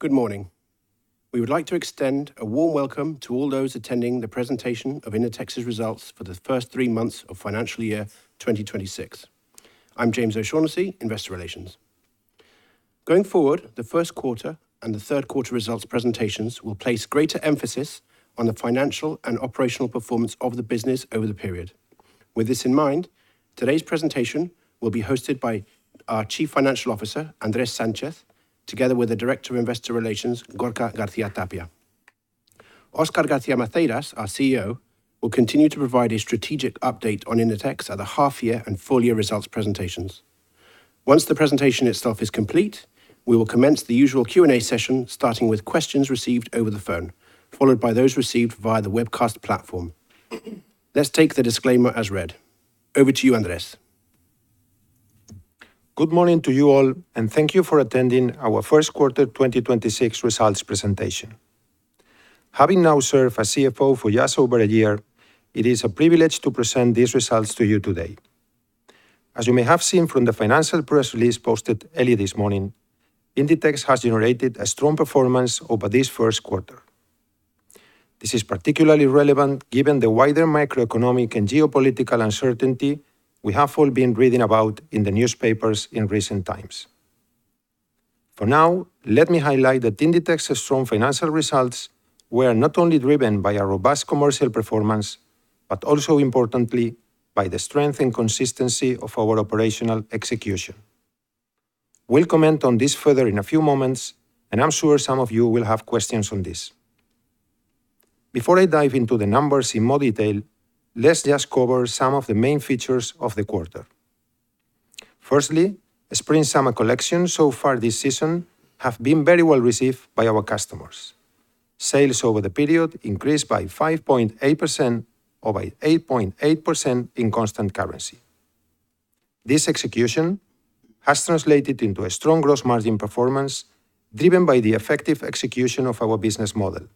Good morning. We would like to extend a warm welcome to all those attending the presentation of Inditex's results for the first three months of financial year 2026. I'm James O'Shaughnessy, Investor Relations. Going forward, the first quarter and the third quarter results presentations will place greater emphasis on the financial and operational performance of the business over the period. With this in mind, today's presentation will be hosted by our Chief Financial Officer, Andrés Sánchez, together with the Director of Investor Relations, Gorka García-Tapia. Óscar García Maceiras, our CEO, will continue to provide a strategic update on Inditex at the half year and full year results presentations. Once the presentation itself is complete, we will commence the usual Q&A session, starting with questions received over the phone, followed by those received via the webcast platform. Let's take the disclaimer as read. Over to you, Andrés. Good morning to you all, and thank you for attending our first quarter 2026 results presentation. Having now served as CFO for just over one year, it is a privilege to present these results to you today. As you may have seen from the financial press release posted earlier this morning, Inditex has generated a strong performance over this first quarter. This is particularly relevant given the wider macroeconomic and geopolitical uncertainty we have all been reading about in the newspapers in recent times. For now, let me highlight that Inditex's strong financial results were not only driven by a robust commercial performance, but also importantly, by the strength and consistency of our operational execution. We'll comment on this further in a few moments, and I'm sure some of you will have questions on this. Before I dive into the numbers in more detail, let's just cover some of the main features of the quarter. Firstly, spring/summer collections so far this season have been very well received by our customers. Sales over the period increased by 5.8%, or by 8.8% in constant currency. This execution has translated into a strong gross margin performance, driven by the effective execution of our business model.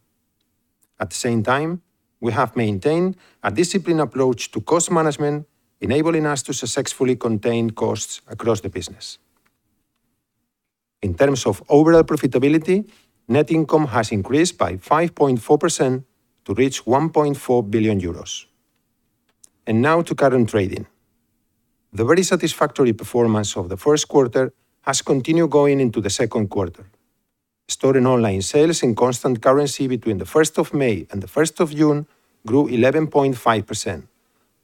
At the same time, we have maintained a disciplined approach to cost management, enabling us to successfully contain costs across the business. In terms of overall profitability, net income has increased by 5.4% to reach 1.4 billion euros. Now to current trading. The very satisfactory performance of the first quarter has continued going into the second quarter. Store and online sales in constant currency between the 1st of May and the 1st of June grew 11.5%,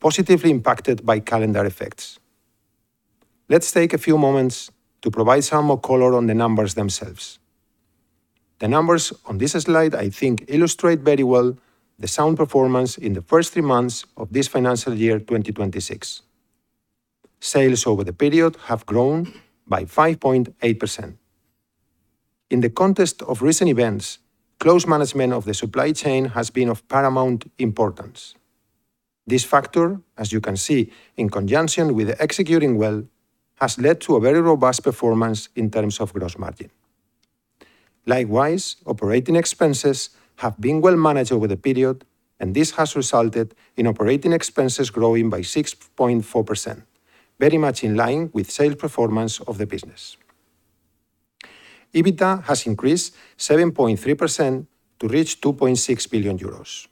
positively impacted by calendar effects. Let's take a few moments to provide some more color on the numbers themselves. The numbers on this slide, I think, illustrate very well the sound performance in the first three months of this financial year 2026. Sales over the period have grown by 5.8%. In the context of recent events, close management of the supply chain has been of paramount importance. This factor, as you can see, in conjunction with executing well, has led to a very robust performance in terms of gross margin. Likewise, operating expenses have been well managed over the period, and this has resulted in operating expenses growing by 6.4%, very much in line with sales performance of the business. EBITDA has increased 7.3% to reach 2.6 billion euros.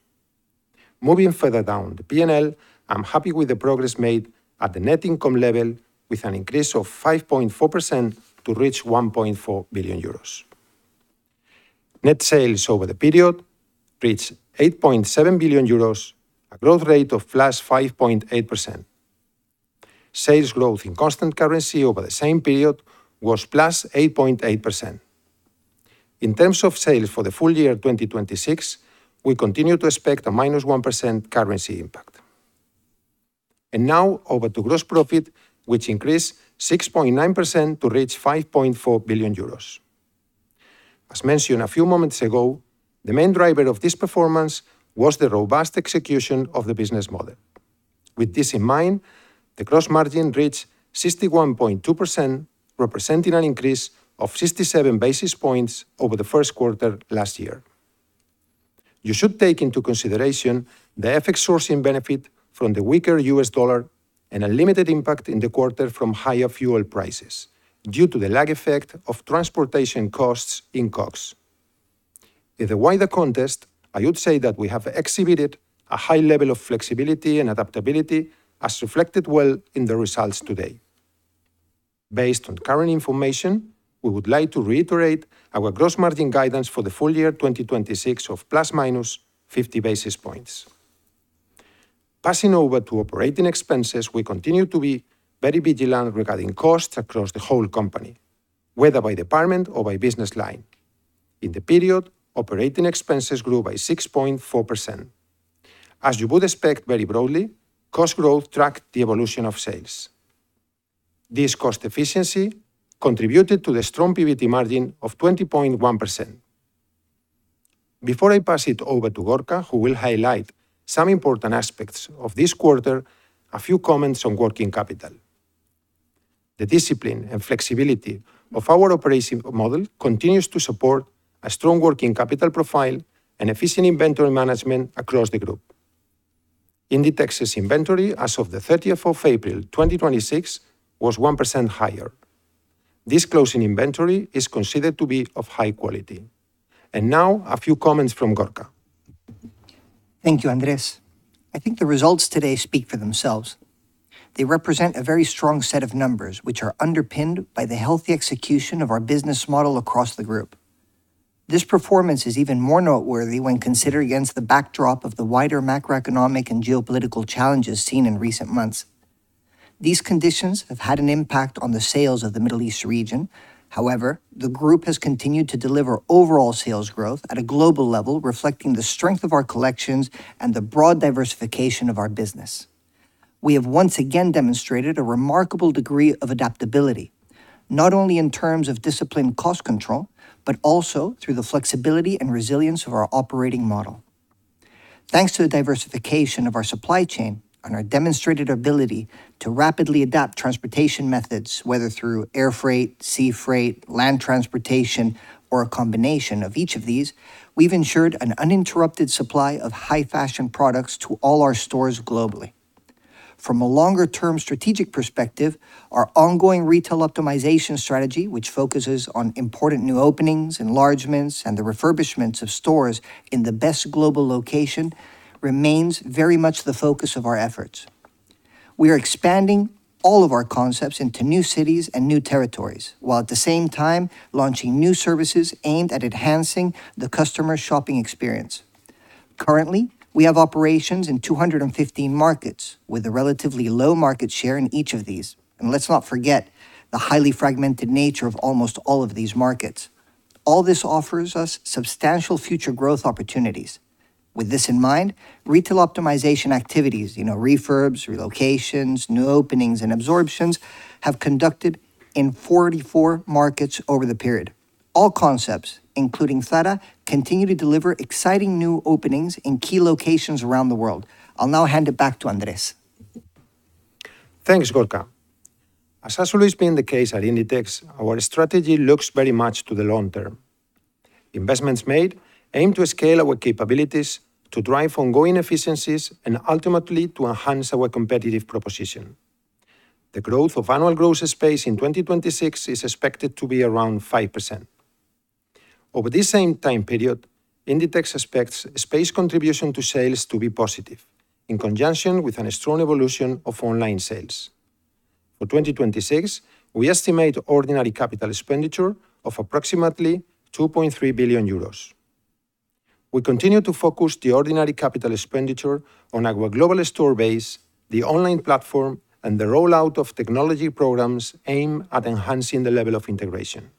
Moving further down the P&L, I'm happy with the progress made at the net income level with an increase of 5.4% to reach 1.4 billion euros. Net sales over the period reached 8.7 billion euros, a growth rate of +5.8%. Sales growth in constant currency over the same period was +8.8%. In terms of sales for the full year 2026, we continue to expect a -1% currency impact. Now over to gross profit, which increased 6.9% to reach 5.4 billion euros. As mentioned a few moments ago, the main driver of this performance was the robust execution of the business model. With this in mind, the gross margin reached 61.2%, representing an increase of 67 basis points over the first quarter last year. You should take into consideration the FX sourcing benefit from the weaker U.S. dollar and a limited impact in the quarter from higher fuel prices due to the lag effect of transportation costs in COGS. In the wider context, I would say that we have exhibited a high level of flexibility and adaptability as reflected well in the results today. Based on current information, we would like to reiterate our gross margin guidance for the full year 2026 of ±50 basis points. Passing over to operating expenses, we continue to be very vigilant regarding costs across the whole company, whether by department or by business line. In the period, operating expenses grew by 6.4%. As you would expect, very broadly, cost growth tracked the evolution of sales. This cost efficiency contributed to the strong EBITDA margin of 20.1%. Before I pass it over to Gorka, who will highlight some important aspects of this quarter, a few comments on working capital. The discipline and flexibility of our operating model continues to support a strong working capital profile and efficient inventory management across the group. Inditex's inventory as of the 30th of April 2026 was 1% higher. This closing inventory is considered to be of high quality. Now a few comments from Gorka. Thank you, Andrés. I think the results today speak for themselves. They represent a very strong set of numbers, which are underpinned by the healthy execution of our business model across the group. This performance is even more noteworthy when considered against the backdrop of the wider macroeconomic and geopolitical challenges seen in recent months. These conditions have had an impact on the sales of the Middle East region. However, the group has continued to deliver overall sales growth at a global level, reflecting the strength of our collections and the broad diversification of our business. We have once again demonstrated a remarkable degree of adaptability, not only in terms of disciplined cost control, but also through the flexibility and resilience of our operating model. Thanks to the diversification of our supply chain and our demonstrated ability to rapidly adapt transportation methods, whether through air freight, sea freight, land transportation, or a combination of each of these, we've ensured an uninterrupted supply of high-fashion products to all our stores globally. From a longer-term strategic perspective, our ongoing retail optimization strategy, which focuses on important new openings, enlargements, and the refurbishments of stores in the best global location, remains very much the focus of our efforts. We are expanding all of our concepts into new cities and new territories, while at the same time launching new services aimed at enhancing the customer shopping experience. Currently, we have operations in 215 markets with a relatively low market share in each of these. Let's not forget the highly fragmented nature of almost all of these markets. All this offers us substantial future growth opportunities. With this in mind, retail optimization activities, refurbs, relocations, new openings, and absorptions have conducted in 44 markets over the period. All concepts, including Zara, continue to deliver exciting new openings in key locations around the world. I'll now hand it back to Andrés. Thanks, Gorka. As has always been the case at Inditex, our strategy looks very much to the long term. Investments made aim to scale our capabilities to drive ongoing efficiencies and ultimately to enhance our competitive proposition. The growth of annual gross space in 2026 is expected to be around 5%. Over this same time period, Inditex expects space contribution to sales to be positive in conjunction with a strong evolution of online sales. For 2026, we estimate ordinary capital expenditure of approximately 2.3 billion euros. We continue to focus the ordinary capital expenditure on our global store base, the online platform, and the rollout of technology programs aimed at enhancing the level of integration.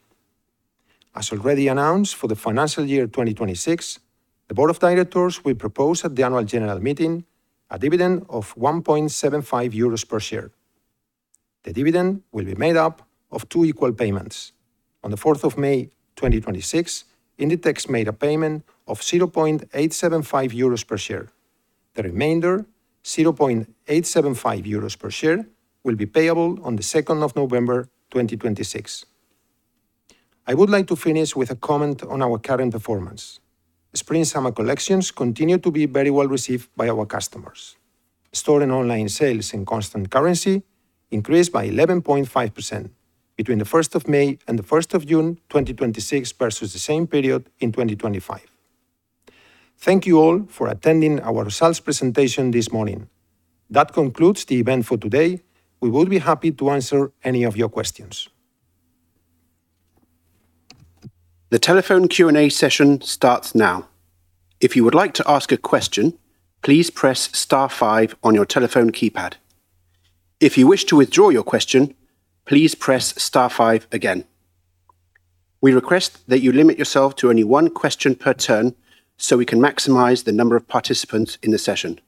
As already announced, for the financial year 2026, the board of directors will propose at the annual general meeting a dividend of 1.75 euros per share. The dividend will be made up of two equal payments. On the 4th of May 2026, Inditex made a payment of 0.875 euros per share. The remainder, 0.875 euros per share, will be payable on the 2nd of November 2026. I would like to finish with a comment on our current performance. Spring/summer collections continue to be very well received by our customers. Store and online sales in constant currency increased by 11.5% between the 1st of May and the 1st of June 2026 versus the same period in 2025. Thank you all for attending our results presentation this morning. That concludes the event for today. We will be happy to answer any of your questions. The telephone Q&A session starts now. If you would like to ask a question, please press star five on your telephone keypad. If you wish to withdraw your question, please press star five again. We request that you limit yourself to only one question per turn so we can maximize the number of participants in the session.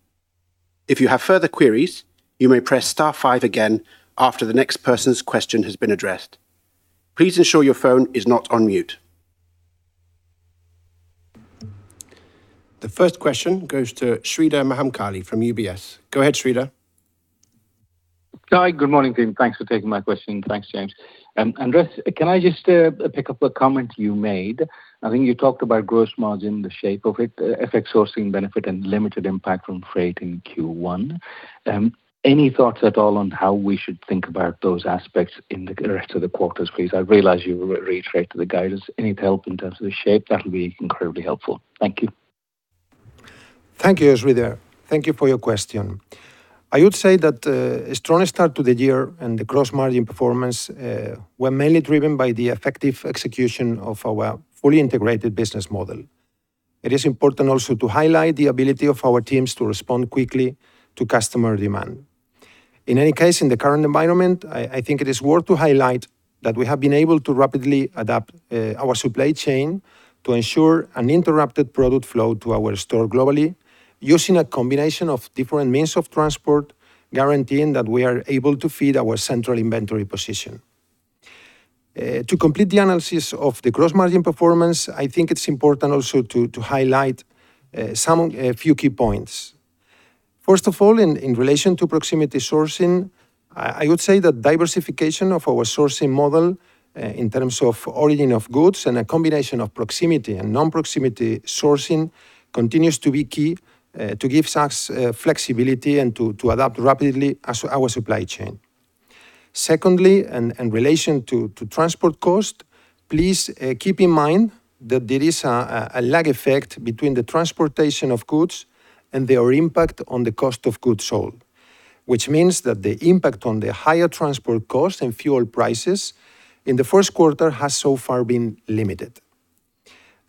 If you have further queries, you may press star five again after the next person's question has been addressed. Please ensure your phone is not on mute. The first question goes to Sreedhar Mahamkali from UBS. Go ahead, Sreedhar. Hi. Good morning, team. Thanks for taking my question. Thanks, James. Andrés, can I just pick up a comment you made? I think you talked about gross margin, the shape of it, FX sourcing benefit, and limited impact from freight in Q1. Any thoughts at all on how we should think about those aspects in the rest of the quarters, please? I realize you reiterated the guidance. Any help in terms of the shape, that'll be incredibly helpful. Thank you. Thank you, Sreedhar. Thank you for your question. I would say that a strong start to the year and the gross margin performance were mainly driven by the effective execution of our fully integrated business model. It is important also to highlight the ability of our teams to respond quickly to customer demand. In any case, in the current environment, I think it is worth to highlight that we have been able to rapidly adapt our supply chain to ensure uninterrupted product flow to our store globally using a combination of different means of transport, guaranteeing that we are able to feed our central inventory position. To complete the analysis of the gross margin performance, I think it's important also to highlight a few key points. First of all, in relation to proximity sourcing, I would say that diversification of our sourcing model in terms of origin of goods and a combination of proximity and non-proximity sourcing continues to be key to give us flexibility and to adapt rapidly as our supply chain. Secondly, in relation to transport cost, please keep in mind that there is a lag effect between the transportation of goods and their impact on the cost of goods sold, which means that the impact on the higher transport cost and fuel prices in the first quarter has so far been limited.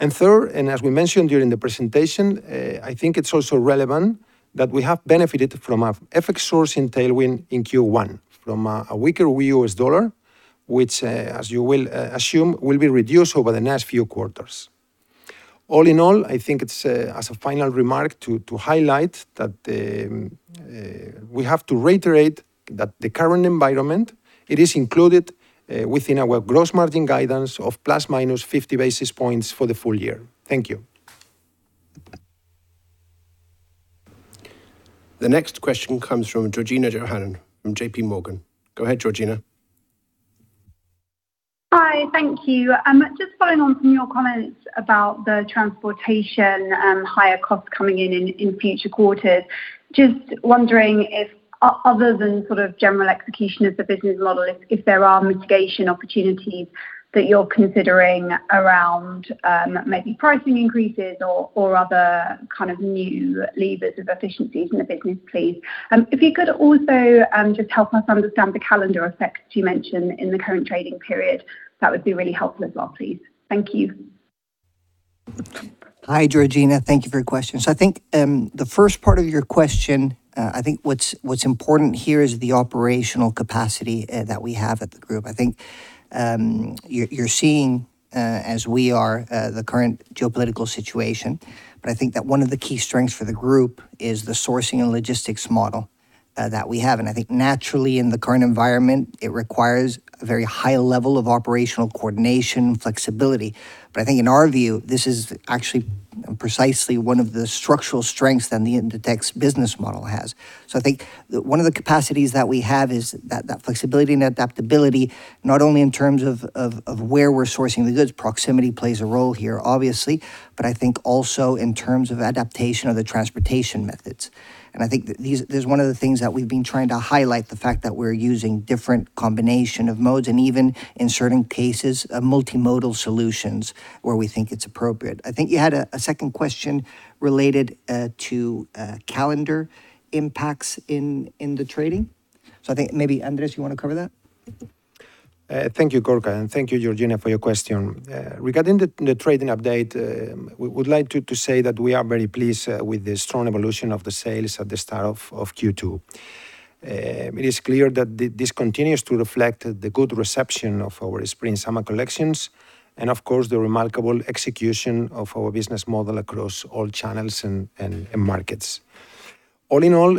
Third, as we mentioned during the presentation, I think it's also relevant that we have benefited from an FX sourcing tailwind in Q1 from a weaker U.S. dollar, which, as you will assume, will be reduced over the next few quarters. All in all, I think as a final remark to highlight that we have to reiterate that the current environment, it is included within our gross margin guidance of ±50 basis points for the full year. Thank you. The next question comes from Georgina Johanan from JPMorgan. Go ahead, Georgina. Hi, thank you. Just following on from your comments about the transportation higher costs coming in future quarters, just wondering if, other than general execution of the business model, if there are mitigation opportunities that you're considering around maybe pricing increases or other kind of new levers of efficiencies in the business, please? If you could also just help us understand the calendar effects you mentioned in the current trading period, that would be really helpful as well, please. Thank you. Hi, Georgina. Thank you for your question. I think the first part of your question, I think what's important here is the operational capacity that we have at the group. I think you're seeing, as we are, the current geopolitical situation, I think that one of the key strengths for the group is the sourcing and logistics model that we have. I think naturally in the current environment, it requires a very high level of operational coordination, flexibility. I think in our view, this is actually precisely one of the structural strengths that the Inditex business model has. I think one of the capacities that we have is that flexibility and adaptability, not only in terms of where we're sourcing the goods, proximity plays a role here, obviously, but I think also in terms of adaptation of the transportation methods. I think that this is one of the things that we've been trying to highlight, the fact that we're using different combination of modes and even in certain cases, multimodal solutions where we think it's appropriate. I think you had a second question related to calendar impacts in the trading. I think maybe, Andrés, you want to cover that? Thank you, Gorka, and thank you, Georgina, for your question. Regarding the trading update, we would like to say that we are very pleased with the strong evolution of the sales at the start of Q2. It is clear that this continues to reflect the good reception of our spring/summer collections, and of course, the remarkable execution of our business model across all channels and markets. All in all,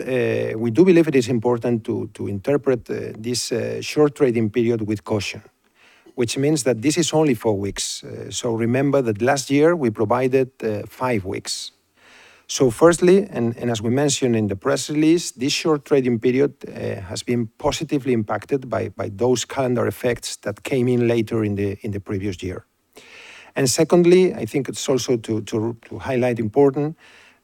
we do believe it is important to interpret this short trading period with caution, which means that this is only four weeks. Remember that last year we provided five weeks. Firstly, and as we mentioned in the press release, this short trading period has been positively impacted by those calendar effects that came in later in the previous year. Secondly, I think it's also to highlight important,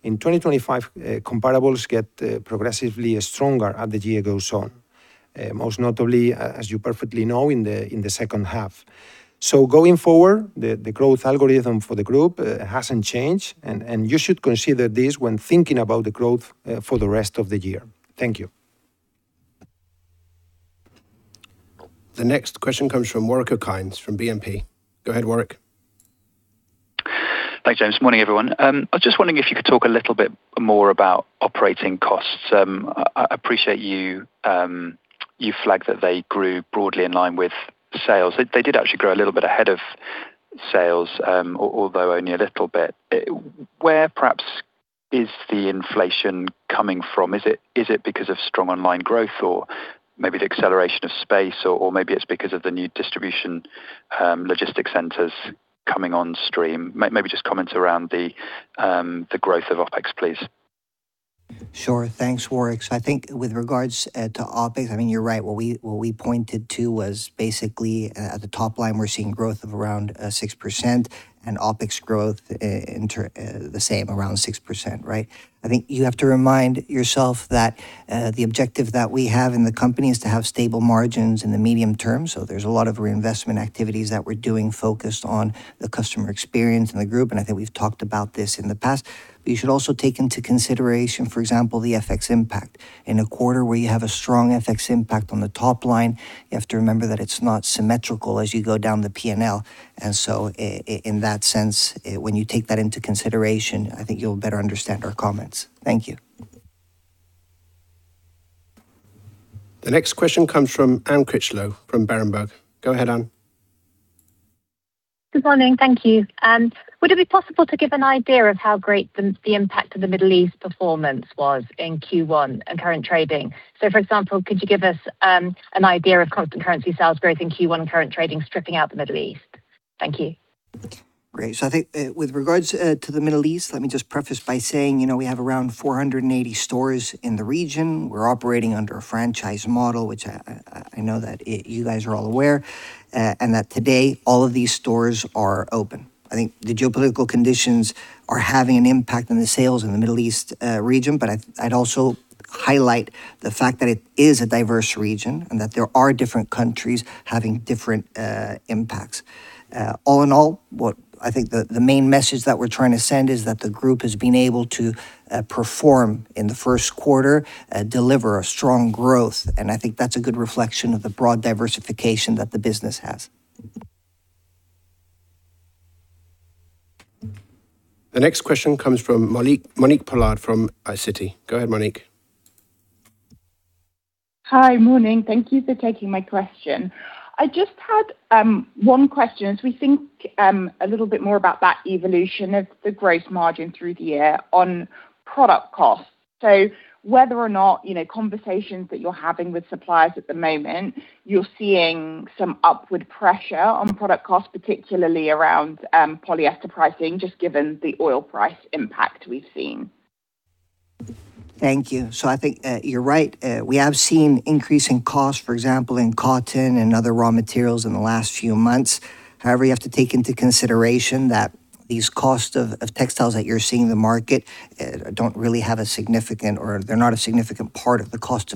in 2025, comparables get progressively stronger as the year goes on. Most notably, as you perfectly know, in the second half. Going forward, the growth algorithm for the group hasn't changed, and you should consider this when thinking about the growth for the rest of the year. Thank you. The next question comes from Warwick Okines from BNP. Go ahead, Warwick. Thanks, James. Morning, everyone. I was just wondering if you could talk a little bit more about operating costs. I appreciate you flagged that they grew broadly in line with sales. They did actually grow a little bit ahead of sales, although only a little bit. Where, perhaps, is the inflation coming from? Is it because of strong online growth or maybe the acceleration of space, or maybe it's because of the new distribution logistic centers coming on stream? Maybe just comment around the growth of OpEx, please. Sure. Thanks, Warwick. I think with regards to OpEx, you're right. What we pointed to was basically at the top line, we're seeing growth of around 6% and OpEx growth the same, around 6%. I think you have to remind yourself that the objective that we have in the company is to have stable margins in the medium term. There's a lot of reinvestment activities that we're doing focused on the customer experience in the group, and I think we've talked about this in the past. You should also take into consideration, for example, the FX impact. In a quarter where you have a strong FX impact on the top line, you have to remember that it's not symmetrical as you go down the P&L. In that sense, when you take that into consideration, I think you'll better understand our comments. Thank you. The next question comes from Anne Critchlow from Berenberg. Go ahead, Anne. Good morning. Thank you. Would it be possible to give an idea of how great the impact of the Middle East performance was in Q1 and current trading? For example, could you give us an idea of constant currency sales growth in Q1 current trading, stripping out the Middle East? Thank you. Great. I think with regards to the Middle East, let me just preface by saying, we have around 480 stores in the region. We're operating under a franchise model, which I know that you guys are all aware, and that today all of these stores are open. I think the geopolitical conditions are having an impact on the sales in the Middle East region. I'd also highlight the fact that it is a diverse region and that there are different countries having different impacts. All in all, what I think the main message that we're trying to send is that the group has been able to perform in the first quarter, deliver a strong growth, and I think that's a good reflection of the broad diversification that the business has. The next question comes from Monique Pollard from Citi. Go ahead, Monique. Hi. Morning. Thank you for taking my question. I just had one question, as we think a little bit more about that evolution of the gross margin through the year on product costs. Whether or not, conversations that you're having with suppliers at the moment, you're seeing some upward pressure on product costs, particularly around polyester pricing, just given the oil price impact we've seen. Thank you. I think you're right. We have seen increasing costs, for example, in cotton and other raw materials in the last few months. However, you have to take into consideration that these costs of textiles that you're seeing in the market don't really have a significant, or they're not a significant part of the COGS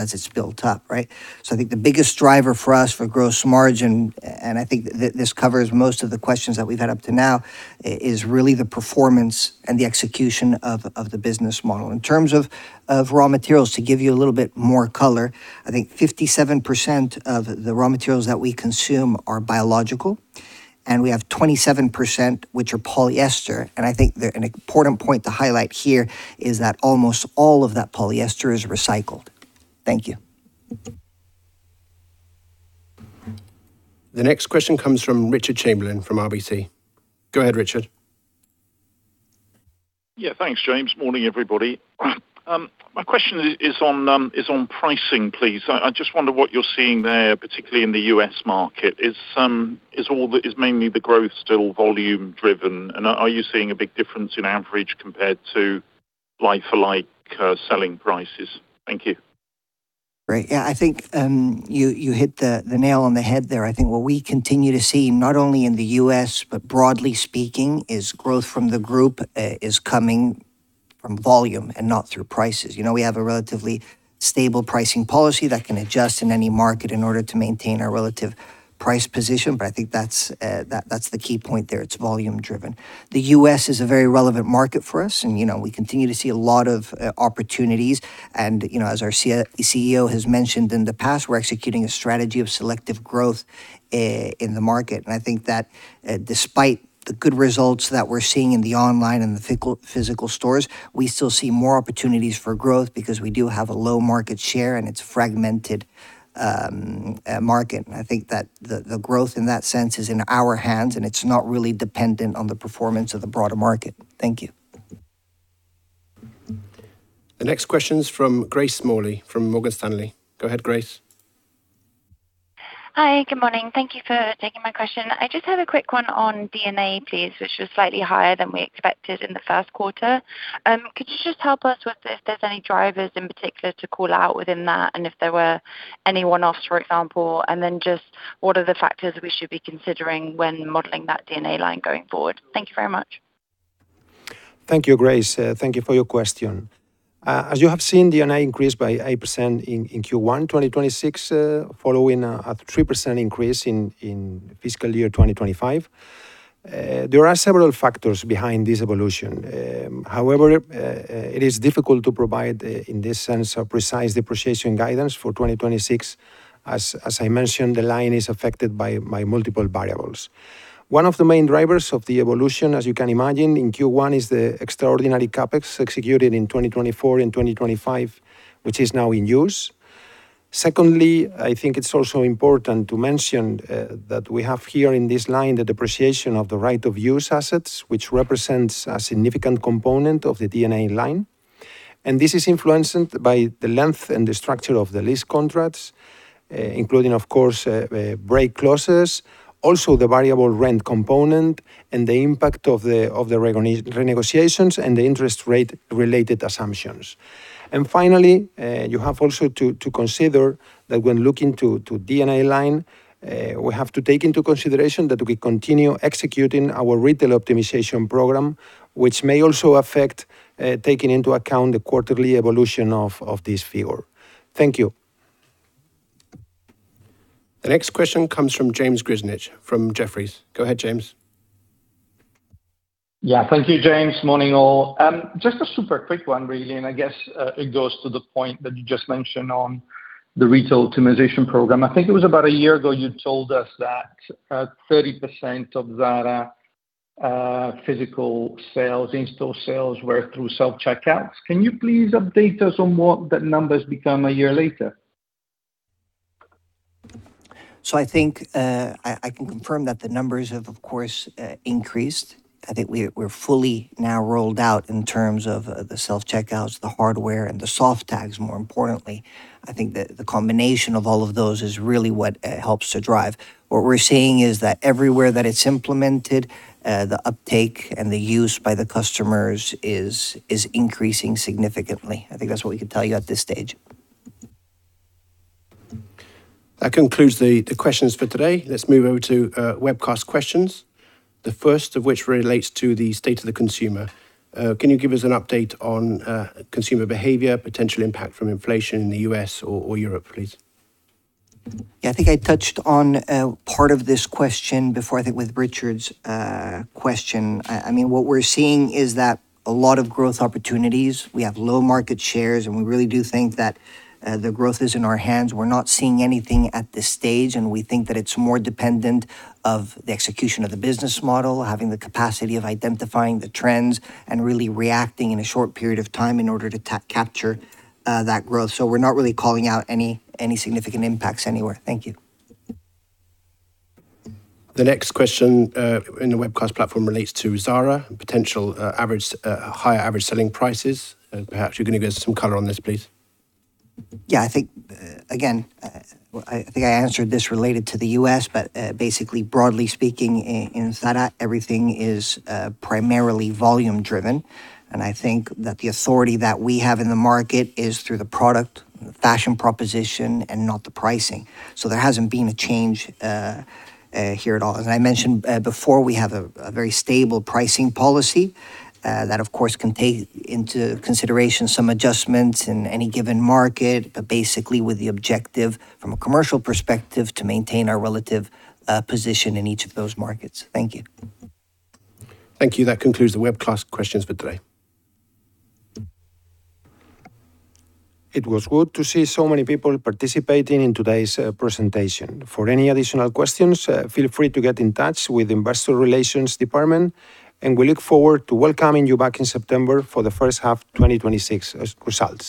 as it's built up. Right. I think the biggest driver for us for gross margin, and I think this covers most of the questions that we've had up to now, is really the performance and the execution of the business model. In terms of raw materials, to give you a little bit more color, I think 57% of the raw materials that we consume are biological, and we have 27%, which are polyester. I think that an important point to highlight here is that almost all of that polyester is recycled. Thank you. The next question comes from Richard Chamberlain from RBC. Go ahead, Richard. Thanks, James. Morning, everybody. My question is on pricing, please. I just wonder what you're seeing there, particularly in the U.S. market. Is mainly the growth still volume driven, and are you seeing a big difference in average compared to like for like selling prices? Thank you. Great. Yeah, I think you hit the nail on the head there. I think what we continue to see, not only in the U.S., but broadly speaking, is growth from the group is coming from volume and not through prices. We have a relatively stable pricing policy that can adjust in any market in order to maintain our relative price position. I think that's the key point there. It's volume driven. The U.S. is a very relevant market for us, and we continue to see a lot of opportunities. As our CEO has mentioned in the past, we're executing a strategy of selective growth in the market. I think that despite the good results that we're seeing in the online and the physical stores, we still see more opportunities for growth because we do have a low market share, and it's a fragmented market. I think that the growth in that sense is in our hands, and it's not really dependent on the performance of the broader market. Thank you. The next question is from Grace Smalley from Morgan Stanley. Go ahead, Grace. Hi. Good morning. Thank you for taking my question. I just have a quick one on D&A, please, which was slightly higher than we expected in the first quarter. Could you just help us with if there's any drivers in particular to call out within that, and if there were any one-offs, for example, and then just what are the factors we should be considering when modeling that D&A line going forward? Thank you very much. Thank you, Grace. Thank you for your question. As you have seen, D&A increased by 8% in Q1 2026, following a 3% increase in fiscal year 2025. There are several factors behind this evolution. However, it is difficult to provide, in this sense, a precise depreciation guidance for 2026. As I mentioned, the line is affected by multiple variables. One of the main drivers of the evolution, as you can imagine, in Q1 is the extraordinary CapEx executed in 2024 and 2025, which is now in use. Secondly, I think it's also important to mention that we have here in this line the depreciation of the right of use assets, which represents a significant component of the D&A line. This is influenced by the length and the structure of the lease contracts, including, of course, break clauses, also the variable rent component and the impact of the renegotiations and the interest rate related assumptions. Finally, you have also to consider that when looking to D&A line, we have to take into consideration that we continue executing our retail optimization program, which may also affect taking into account the quarterly evolution of this figure. Thank you. The next question comes from James Grzinic from Jefferies. Go ahead, James. Yeah. Thank you, James. Morning, all. Just a super quick one really, and I guess it goes to the point that you just mentioned on the retail optimization program. I think it was about a year ago, you told us that 30% of Zara physical sales, in-store sales, were through self-checkouts. Can you please update us on what that number's become a year later? I think I can confirm that the numbers have, of course, increased. I think we're fully now rolled out in terms of the self-checkouts, the hardware, and the soft tags, more importantly. I think that the combination of all of those is really what helps to drive. What we're seeing is that everywhere that it's implemented, the uptake and the use by the customers is increasing significantly. I think that's what we can tell you at this stage. That concludes the questions for today. Let's move over to webcast questions, the first of which relates to the state of the consumer. Can you give us an update on consumer behavior, potential impact from inflation in the U.S. or Europe, please? Yeah. I think I touched on part of this question before, I think with Richard's question. What we're seeing is that a lot of growth opportunities, we have low market shares, and we really do think that the growth is in our hands. We're not seeing anything at this stage, and we think that it's more dependent on the execution of the business model, having the capacity of identifying the trends, and really reacting in a short period of time in order to capture that growth. We're not really calling out any significant impacts anywhere. Thank you. The next question in the webcast platform relates to Zara, potential higher average selling prices. Perhaps you can give us some color on this, please. I think, again, I answered this related to the U.S., basically, broadly speaking, in Zara, everything is primarily volume driven, and I think that the authority that we have in the market is through the product, the fashion proposition, and not the pricing. There hasn't been a change here at all. As I mentioned before, we have a very stable pricing policy that, of course, can take into consideration some adjustments in any given market. Basically, with the objective from a commercial perspective to maintain our relative position in each of those markets. Thank you. Thank you. That concludes the webcast questions for today. It was good to see so many people participating in today's presentation. For any additional questions, feel free to get in touch with Investor Relations Department. We look forward to welcoming you back in September for the first half 2026 results.